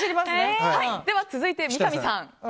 では、続いて三上さん。